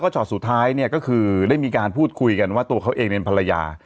ช็อตสุดท้ายเนี่ยก็คือได้มีการพูดคุยกันว่าตัวเขาเองเป็นภรรยา